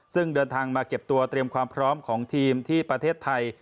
ซึ่งเดินทางมาเก็บตัวเตรียมความพร้อมของทีมที่ประเทศไทย